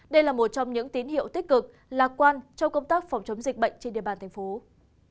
đây là một trong những tín hiệu tích cực lạc quan trong công tác phòng chống dịch bệnh trên địa bàn thành phố